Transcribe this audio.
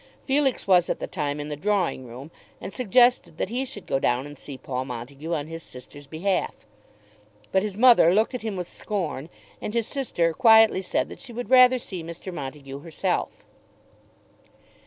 Felix was at the time in the drawing room and suggested that he should go down and see Paul Montague on his sister's behalf; but his mother looked at him with scorn, and his sister quietly said that she would rather see Mr. Montague herself.